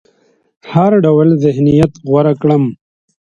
هر ډول ذهنيت غوره کړم.